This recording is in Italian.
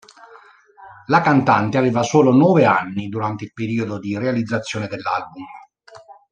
La cantante aveva solo nove anni durante il periodo di realizzazione dell'album.